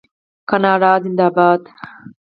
کاناډا زنده باد.